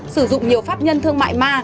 sử dụng nhiều pháp nhân thương mại ma